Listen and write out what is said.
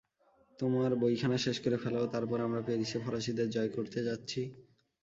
তোমার বইখানা শেষ করে ফেল ও তারপর আমরা প্যারিসে ফরাসীদের জয় করতে যাচ্ছি।